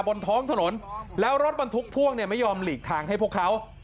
บนท้องถนนแล้วรถบรรทุกพ่วงเนี่ยไม่ยอมหลีกทางให้พวกเขา